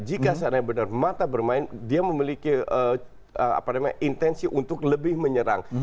jika sebenarnya benar mata bermain dia memiliki apa namanya intensi untuk lebih menyerang